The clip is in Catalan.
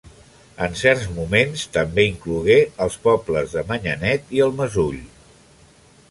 En certs moments també inclogué els pobles de Manyanet i el Mesull.